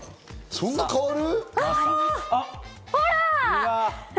そんな変わる？